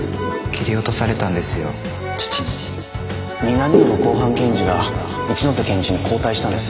南野の公判検事が一ノ瀬検事に交代したんです。